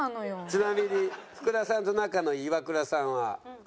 ちなみに福田さんと仲のいいイワクラさんは福田を何位？